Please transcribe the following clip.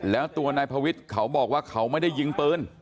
แล้วตัวนายพวิทย์เขาบอกว่าเขาไม่ได้ยิงปืน